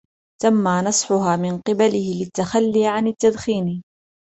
تم نصحهها من قبله للتخلي عن التدخين.